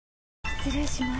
失礼します。